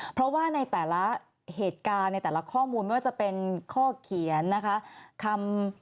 เพราะว่าในแต่ละเหตุการณ์ในแต่ละข้อมูลไม่ว่าจะเป็นข้อเขียนนะคะ